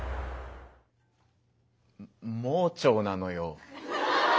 盲腸なのよ。